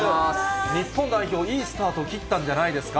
日本代表、いいスタートを切ったんじゃないですか。